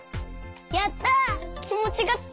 やった！